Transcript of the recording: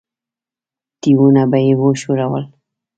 تيونه به يې وښورول.